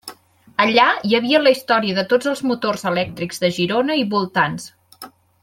Allà hi havia la història de tots els motors elèctrics de Girona i voltants.